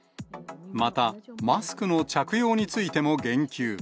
また、マスクの着用についても言及。